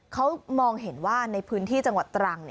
เขามองเห็นว่าในพื้นที่จังหวัดตรัง